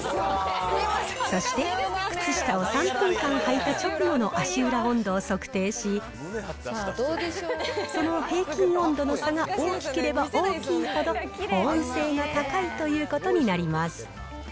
そして、靴下を３分間履いた直後の足裏温度を測定し、その平均温度の差が大きければ大きいほど保温性が高いということになります。